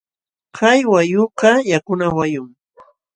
Kay wayqukaq yakuna wayqum.